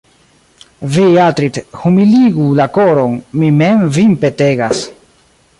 Vi, Atrid', humiligu la koron, mi mem vin petegas.